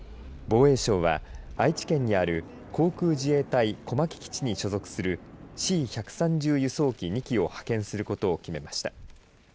防衛省は愛知県にある航空自衛隊小牧基地に所属するＣ１３０輸送機２機を派遣することを決めました。